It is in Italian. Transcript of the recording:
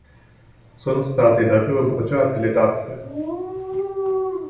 Sono state davvero bruciate le tappe!